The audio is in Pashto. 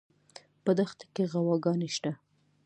په دښته کې غواګانې شته